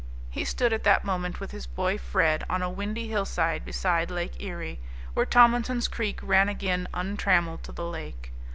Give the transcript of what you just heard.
He stood at that moment with his boy Fred on a windy hillside beside Lake Erie, where Tomlinson's Creek ran again untrammelled to the lake.